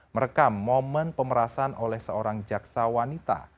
merekam momen pemerasan oleh seorang jaksa wanita